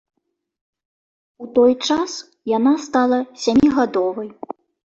У той час яна стала сямігадовай.